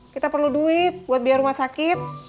kita perlu duit buat biar rumah sakit